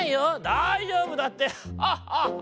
「だいじょうぶだってハッハッハッハ。